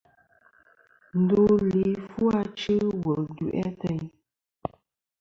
Ndu li fu achɨ wul du'i ateyn.